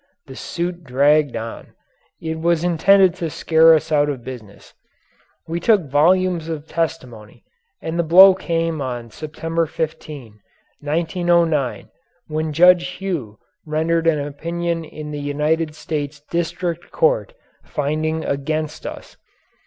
The suit dragged on. It was intended to scare us out of business. We took volumes of testimony, and the blow came on September 15, 1909, when Judge Hough rendered an opinion in the United States District Court finding against us.